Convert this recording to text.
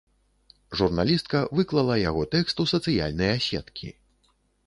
Журналістка выклала яго тэкст у сацыяльныя сеткі.